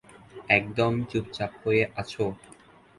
একদম চুপচাপ হয়ে আছ।